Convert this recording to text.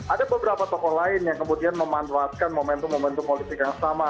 ada beberapa tokoh lain yang kemudian memanfaatkan momentum momentum politik yang sama